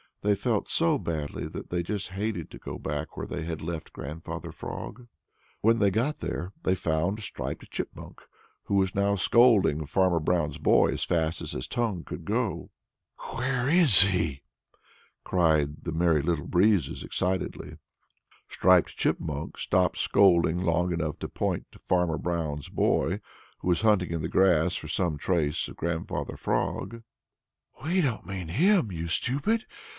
They felt so badly that they just hated to go back where they had left Grandfather Frog. When they got there, they found Striped Chipmunk, who now was scolding Farmer Brown's boy as fast as his tongue could go. "Where is he?" cried the Merry Little Breezes excitedly. Striped Chipmunk stopped scolding long enough to point to Farmer Brown's boy, who was hunting in the grass for some trace of Grandfather Frog. "We don't mean him, you stupid!